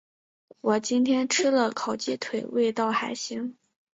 我今天吃了烤鸡腿，味道还行。